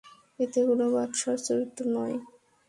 এতে কোন বাদশাহর চরিত্র নয়।